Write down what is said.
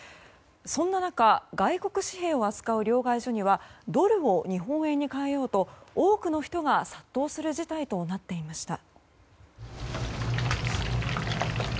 そんな中外国紙幣を扱う両替所にはドルを日本円に替えようと多くの人が殺到する事態となっていました。